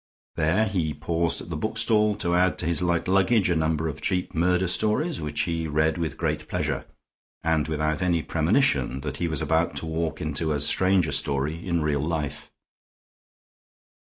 There he paused at the bookstall to add to his light luggage a number of cheap murder stories, which he read with great pleasure, and without any premonition that he was about to walk into as strange a story in real life.